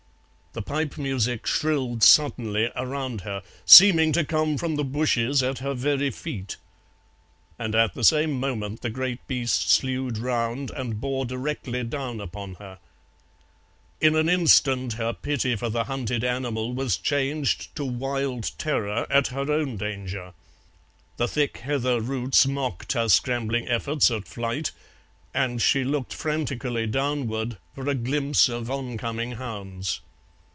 The pipe music shrilled suddenly around her, seeming to come from the bushes at her very feet, and at the same moment the great beast slewed round and bore directly down upon her. In an instant her pity for the hunted animal was changed to wild terror at her own danger; the thick heather roots mocked her scrambling efforts at flight, and she looked frantically downward for a glimpse of oncoming hounds.